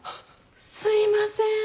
すいません。